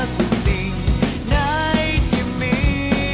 เป็นสิ่งไหนที่มี